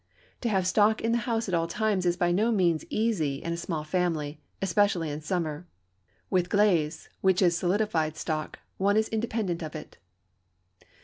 To have stock in the house at all times is by no means easy in a small family, especially in summer; with glaze, which is solidified stock, one is independent of it.